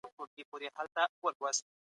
زه تر هر چا زیات وفا کونکی یم.